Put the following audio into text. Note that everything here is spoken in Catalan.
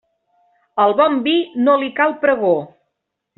Al bon vi no li cal pregó.